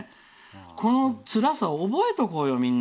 このつらさを覚えておこうよみんな。